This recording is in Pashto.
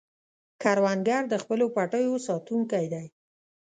کروندګر د خپلو پټیو ساتونکی دی